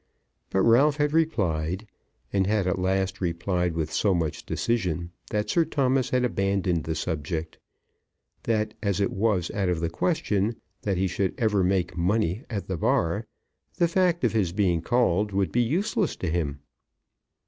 But Ralph had replied, and had at last replied with so much decision that Sir Thomas had abandoned the subject, that as it was out of the question that he should ever make money at the Bar, the fact of his being called would be useless to him.